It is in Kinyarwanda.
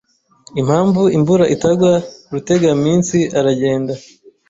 impamvu imvura itagwa Rutegaminsi aragenda